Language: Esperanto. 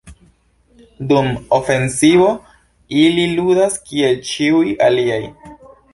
Dum ofensivo ili ludas kiel ĉiuj aliaj.